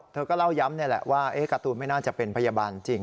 เธอก็เล่าย้ำนี่แหละว่าการ์ตูนไม่น่าจะเป็นพยาบาลจริง